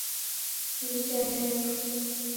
Vitemberu